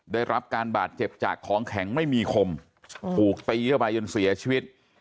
ได้รับการบาดเจ็บจากของแข็งไม่มีคมถูกตีเข้าไปจนเสียชีวิต